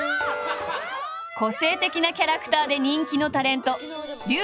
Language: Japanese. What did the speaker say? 個性的なキャラクターで人気のタレント